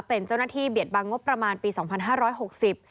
เป็นเจ้าหน้าที่เบียดบางงบประมาณปี๒๕๖๐